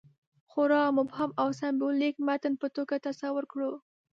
خورا مبهم او سېمبولیک متن په توګه تصور کړو.